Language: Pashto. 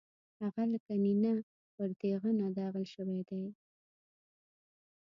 هغه لکه نېنه پر تېغنه داغل شوی دی.